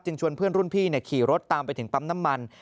ชวนเพื่อนรุ่นพี่ขี่รถตามไปถึงปั๊มน้ำมัน